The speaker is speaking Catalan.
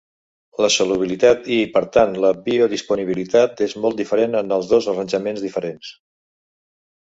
La solubilitat i, per tant, la biodisponibilitat és molt diferent en els dos arranjaments diferents.